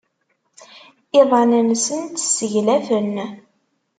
Iḍan-nsent sseglafen.